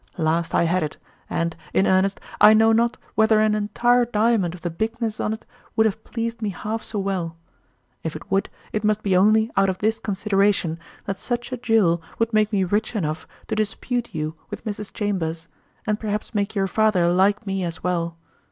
Last I had it, and, in earnest, I know not whether an entire diamond of the bigness on't would have pleased me half so well; if it would, it must be only out of this consideration, that such a jewel would make me rich enough to dispute you with Mrs. Chambers, and perhaps make your father like me as well.